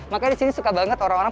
makanya di sini suka banget orang orang